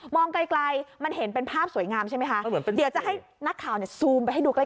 ไกลไกลมันเห็นเป็นภาพสวยงามใช่ไหมคะเดี๋ยวจะให้นักข่าวเนี่ยซูมไปให้ดูใกล้